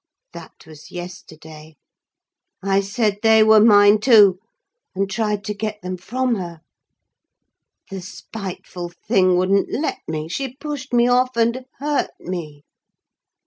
That was yesterday—I said they were mine, too; and tried to get them from her. The spiteful thing wouldn't let me: she pushed me off, and hurt me.